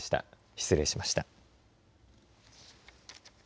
失礼しました。